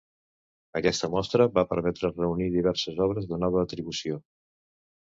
Aquesta mostra va permetre reunir diverses obres de nova atribució.